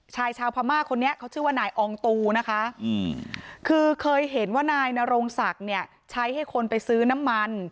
ชายชาวพม่าคนนี้เขาชื่อว่านายอองตูนะคะคือเคยเห็นว่านายนโรงศักดิ์เนี่ยใช้ให้คนไปซื้อน้ำมัน